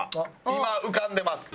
今浮かんでます。